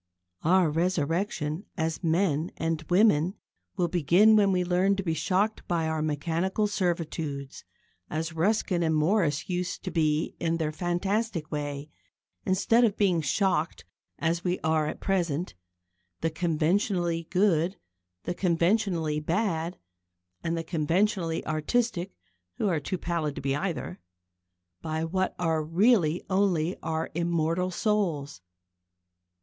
Our resurrection as men and women will begin when we learn to be shocked by our mechanical servitudes, as Ruskin and Morris used to be in their fantastic way, instead of being shocked, as we are at present the conventionally good, the conventionally bad, and the conventionally artistic who are too pallid to be either by what are really only our immortal souls.